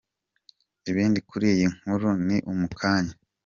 Ibindi kuri iyi nkuru ni mu kanya.